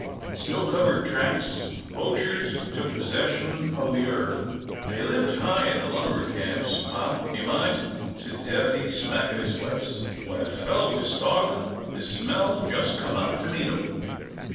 Snow covered tracks, and poachers took possession o' the airth." "They lived high in the lumber camps, pop, do you mind?" said Zebedee, smacking his lips. "When a fellow was starvin' the smell just come out to meet him."